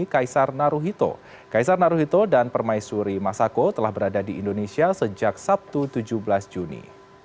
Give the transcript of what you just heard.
kaisar naruhito kaisar naruhito dan permaisuri masako telah berada di indonesia sejak sabtu tujuh belas juni